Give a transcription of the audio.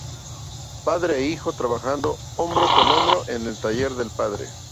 Padre e hijo trabajando hombro con hombro en el taller del padre.